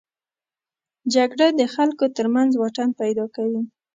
جګړه د خلکو تر منځ واټن پیدا کوي